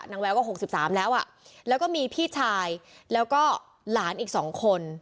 นางแววก็หกสิบสามแล้วอะแล้วก็มีพี่ชายแล้วก็หลานอีกสองคน